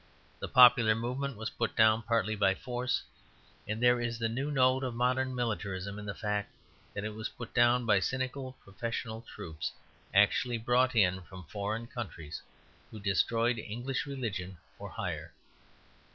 The popular movement was put down partly by force; and there is the new note of modern militarism in the fact that it was put down by cynical professional troops, actually brought in from foreign countries, who destroyed English religion for hire.